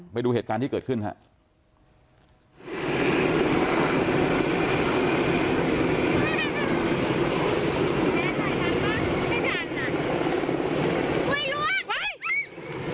ไปดูเหตุการณ์ที่เกิดขึ้นครับ